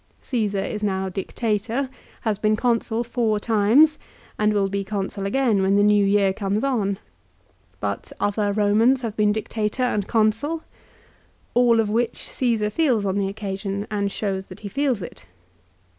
Csesar is now Dictator, has been Consul four times, and will be Consul again when the new year comes on. But other Eomans have been Dictator and Consul. All of which Caesar feels on the occasion, and shows that he feels it.